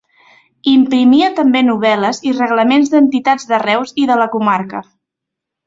Imprimia també novel·les i reglaments d'entitats de Reus i de la comarca.